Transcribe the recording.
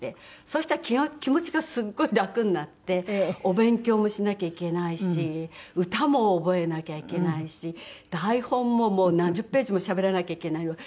そしたら気持ちがすごい楽になってお勉強もしなきゃいけないし歌も覚えなきゃいけないし台本も何十ページもしゃべらなきゃいけないわ。